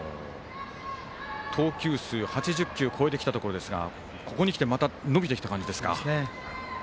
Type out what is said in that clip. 投球数８０球超えてきたところですがここにきてまた伸びてきた形ですか。